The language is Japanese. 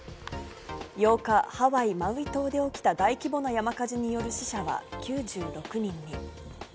８日、ハワイ・マウイ島で起きた大規模な山火事による死者は９６人に。